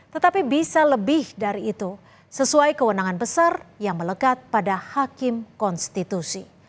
tetapi bisa lebih dari itu sesuai kewenangan besar yang melekat pada hakim konstitusi